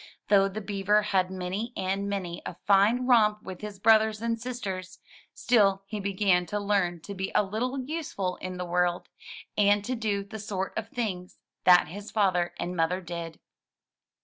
Though the Beaver had many and many a fine romp with his brothers and sisters, still he began to learn to be a little useful in the world, and to do the sort of things that his father and mother did.